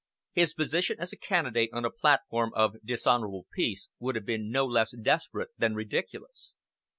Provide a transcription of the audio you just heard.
His position as a candidate on a platform of dishonorable peace would have been no less desperate than ridiculous.